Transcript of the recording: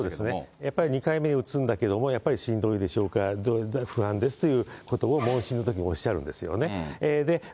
やっぱり、２回目打つんだけれども、やっぱりしんどいでしょうか、不安ですということを、問診のときに問診のときにおっしゃる方がいらっしゃるんですよね。